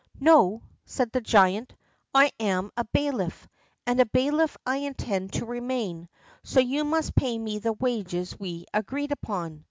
"No," said the giant, "I am a bailiff, and a bailiff I intend to remain, so you must pay me the wages we agreed upon."